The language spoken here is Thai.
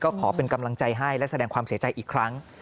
ก็ขอเป็นกำลังใจให้และแสดงความเสียใจอีกครั้ง